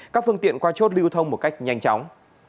các phương tiện qua chốt lưu thông một cách nhanh chóng